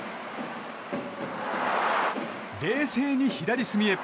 冷静に左隅へ。